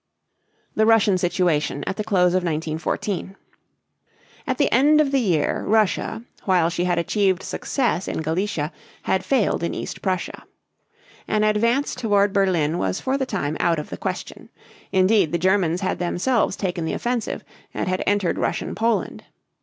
THE RUSSIAN SITUATION AT THE CLOSE OF 1914. At the end of the year Russia, while she had achieved success in Galicia, had failed in East Prussia. An advance toward Berlin was for the time out of the question. Indeed the Germans had themselves taken the offensive and had entered Russian Poland.